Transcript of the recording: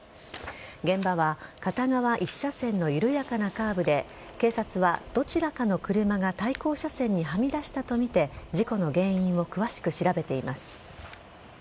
現場は片側１車線の緩やかなカーブで警察はどちらかの車が対向車線にはみ出したとみて事故の原因を詳しく調べています。